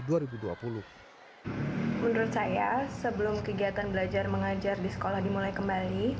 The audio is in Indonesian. menurut saya sebelum kegiatan belajar mengajar di sekolah dimulai kembali